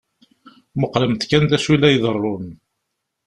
Muqlemt kan d acu i la iḍeṛṛun.